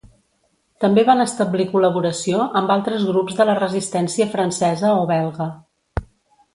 També van establir col·laboració amb altres grups de la resistència francesa o belga.